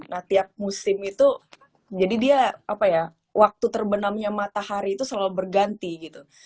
nah tiap musim itu jadi dia apa ya waktu terbenamnya matahari itu selalu berganti gitu